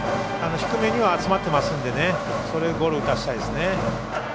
低めには集まってますのでそれをゴロ打たせたいですね。